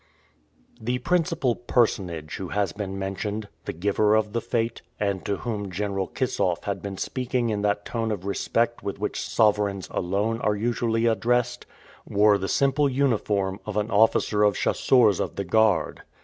The principal personage who has been mentioned, the giver of the fête, and to whom General Kissoff had been speaking in that tone of respect with which sovereigns alone are usually addressed, wore the simple uniform of an officer of chasseurs of the guard.